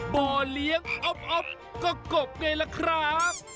บ่อเลี้ยงอ๊อฟก็กบไงล่ะครับ